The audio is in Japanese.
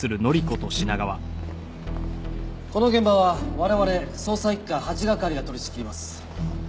この現場は我々捜査一課８係が取り仕切ります。